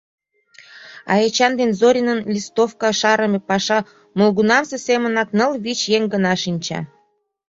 А Эчан ден Зоринын листовка шарыме пашам молгунамсе семынак ныл-вич еҥ гына шинча.